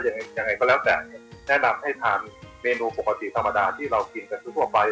ยังไงยังไงก็แล้วแต่เนี่ยแนะนำให้ทานเมนูปกติธรรมดาที่เรากินกันทั่วไป